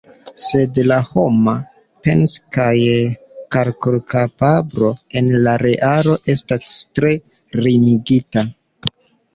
Sed la homa pens- kaj kalkulkapablo en la realo estas tre limigita.